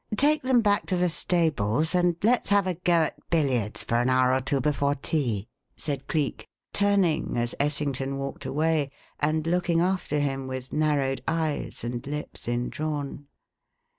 "Take them back to the stables and let's have a go at billiards for an hour or two before tea," said Cleek, turning as Essington walked away, and looking after him with narrowed eyes and lips indrawn.